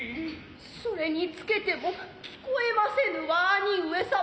それにつけても聞えませぬは兄上様